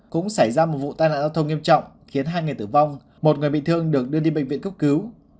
cũng xảy ra một vụ tai nạn giao thông nghiêm trọng khiến hai người tử vong một người bị thương được đưa đi bệnh viện cấp cứu